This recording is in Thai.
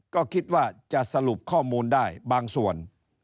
ก็คิดว่าจะสรุปข้อมูลได้บางส่วน